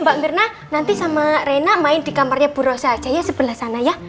mbak mirna nanti sama rena main di kamarnya bu rosa aja ya sebelah sana ya